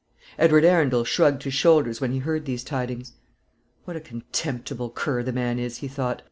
Edward Arundel shrugged his shoulders when he heard these tidings. "What a contemptible cur the man is!" he thought.